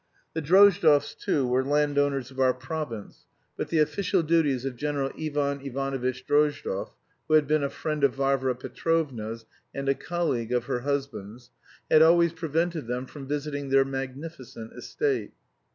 The Drozdovs, too, were landowners of our province, but the official duties of General Ivan Ivanovitch Drozdov (who had been a friend of Varvara Petrovna's and a colleague of her husband's) had always prevented them from visiting their magnificent estate.